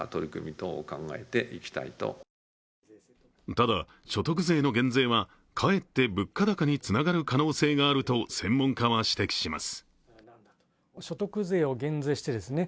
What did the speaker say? ただ所得税の減税は、かえって物価高につながる可能性があると専門家は指摘します。